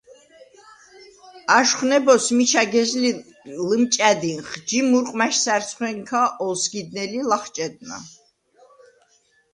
აშხვ ნებოზს მიჩა გეზლირ ლჷმჭა̈დინხ, ჯი მურყვმა̈შ სარცხვენქა ოსგიდნელი, ლახჭედნა: